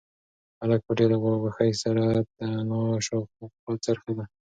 هلک په ډېرې خوښۍ سره د انا شاوخوا څرخېده.